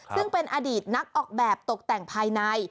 ซึ่งเป็นอดีตนักออกแบบตกแต่งภายใน